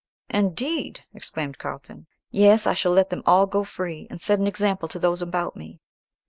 "Indeed!" exclaimed Carlton. "Yes, I shall let them all go free, and set an example to those about me."